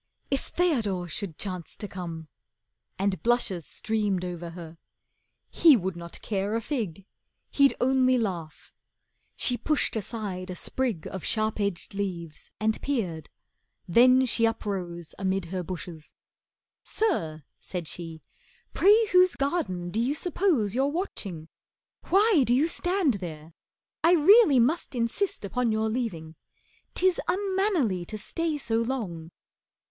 If Theodore should chance to come, and blushes Streamed over her. He would not care a fig, He'd only laugh. She pushed aside a sprig Of sharp edged leaves and peered, then she uprose Amid her bushes. "Sir," said she, "pray whose Garden do you suppose you're watching? Why Do you stand there? I really must insist Upon your leaving. 'Tis unmannerly To stay so long."